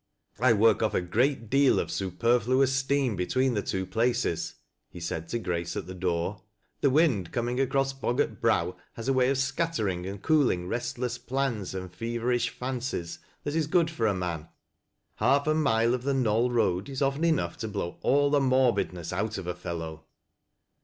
" I work off a great deal of superfluous steam between the two places," he said to Grace at the door. " Tho wind coming across Boggart Brow has a way of scattering and cooling restless plans and feverish fancies, that is good for a man. Half a mile of the Knoll Eoad is often enough to blow all the morbidness out oi a fellow."